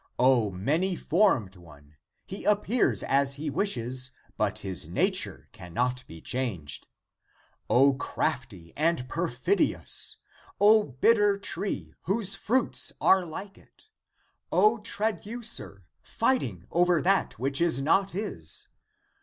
O many formed one — he appears as he wishes, but his nature cannot be changed —! O crafty and perfidious ! O bitter tree, whose fruits are like it! O traducer, fighting over that which is not his!